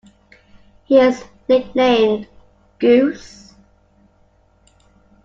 He is nicknamed Goose.